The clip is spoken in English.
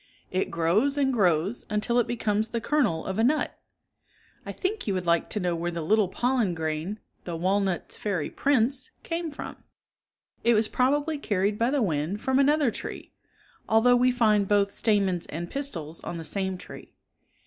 It grows and grows until it becomes the kernel of a nut. I think you would like to know where the little pollen grain, the walnut's Fairy Prince, came from. (Ma<,nifiei.), It was ])robably carried by the wind from another 74 tree, although we find both stamens and pistils on the same tree.